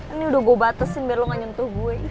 ini udah gue batesin biar lo nggak nyentuh gue